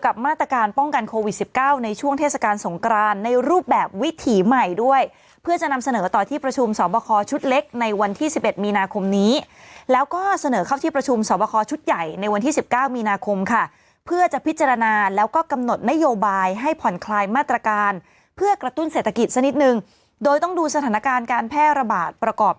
มาตรการป้องกันโควิด๑๙ในช่วงเทศกาลสงกรานในรูปแบบวิถีใหม่ด้วยเพื่อจะนำเสนอต่อที่ประชุมสอบคอชุดเล็กในวันที่๑๑มีนาคมนี้แล้วก็เสนอเข้าที่ประชุมสอบคอชุดใหญ่ในวันที่๑๙มีนาคมค่ะเพื่อจะพิจารณาแล้วก็กำหนดนโยบายให้ผ่อนคลายมาตรการเพื่อกระตุ้นเศรษฐกิจสักนิดนึงโดยต้องดูสถานการณ์การแพร่ระบาดประกอบ